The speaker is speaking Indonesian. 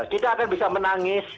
kita akan bisa menangis